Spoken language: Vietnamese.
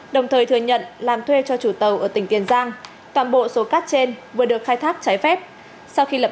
đồng thời thừa nhận làm thuê cho chủ tàu ở tỉnh tiền giang toàn bộ số cát trên vừa được khai thác trái phép